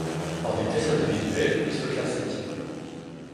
En vitesse individuelle, il se classe septième.